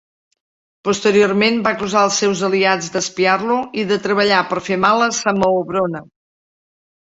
Posteriorment, va acusar els seus aliats d'espiar-lo i de treballar per fer mal a Samoobrona.